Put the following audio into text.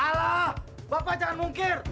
alah bapak jangan mungkir